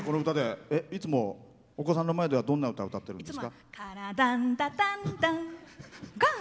いつもお子さんの前ではどんな歌歌ってるんですか？